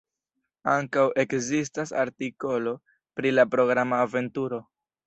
Ankaŭ ekzistas artikolo pri la programa Aventuro".